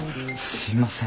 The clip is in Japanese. すいません。